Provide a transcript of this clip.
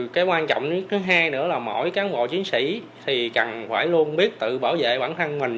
cái quan trọng thứ hai nữa là mỗi cán bộ chiến sĩ thì cần phải luôn biết tự bảo vệ bản thân mình